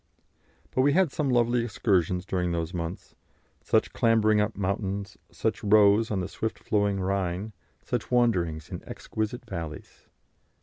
But we had some lovely excursions during those months; such clambering up mountains, such rows on the swift flowing Rhine, such wanderings in exquisite valleys.